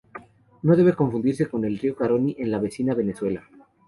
No debe confundirse con el Río Caroní en la vecina Venezuela.